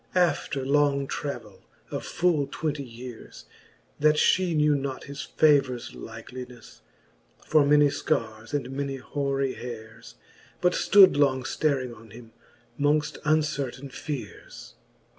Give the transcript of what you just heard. After long travell of full twenty yeares, That {he knew not his favours likelyncfTej For many fearres and many hoary heares, But ftood long ftaring on him, mongft uncertaine feares.